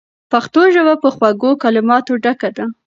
پښتو ژبه په خوږو کلماتو ډکه ده.